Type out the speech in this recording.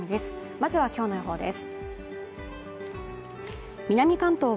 まずは今日の予報です。